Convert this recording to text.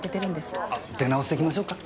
出直してきましょうか？